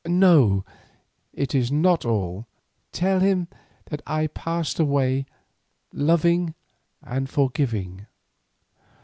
No, it is not all. Tell him that I passed away loving and forgiving."